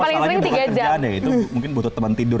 yang paling sering buat kerjaan ya itu mungkin butuh teman tidur